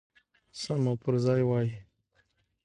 سم او پرځای وای.